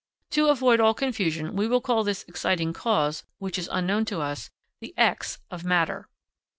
To avoid all confusion we will call this exciting cause, which is unknown to us, the X of matter.